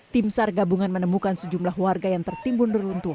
tim sar gabungan menemukan sejumlah warga yang tertimbun reruntuhan